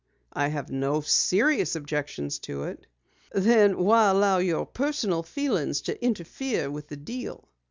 "I have no serious objections to it." "Then why allow your personal feelings to interfere with the deal?"